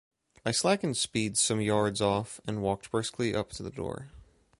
I slackened speed some yards off and walked briskly up to the door.